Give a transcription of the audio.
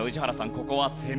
ここは攻めたい。